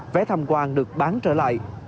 vé tham quan được bán trở lại